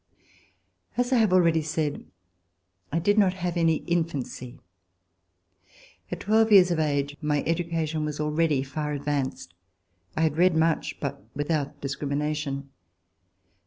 As I have already said, I did not have any in fancy. At twelve years of age my education was al ready far advanced. I had read much, but without discrimination.